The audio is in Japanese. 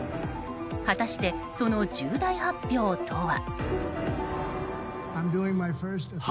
果たして、その重大発表とは。